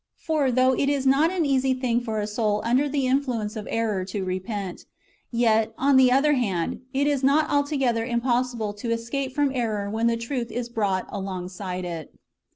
For, though it is not an easy thing for a soul under the influence of error to repent, yet, on the other hand, it is not altogether impossible to escape from error when the truth is brought alongside it.